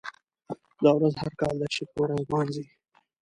دا ورځ هر کال د یکشنبې په ورځ لمانځي.